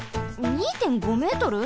２．５メートル！？